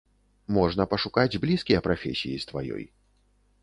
Можна пашукаць блізкія прафесіі з тваёй.